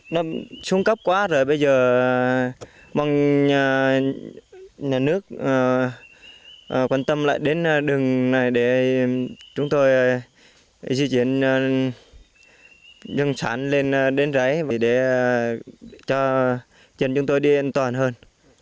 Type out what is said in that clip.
nó xuống cấp quá rồi bây giờ bằng nhà nước quan tâm lại đến đường này để chúng tôi di chuyển dân sản lên đên rẫy để cho chúng tôi đi an toàn hơn